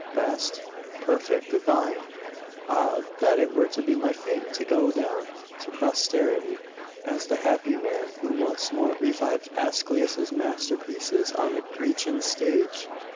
'Best? perfect divine! Ah, that it were to be my fate to go down to posterity as the happy man who once more revived Aeschylus's masterpieces on a Grecian stage!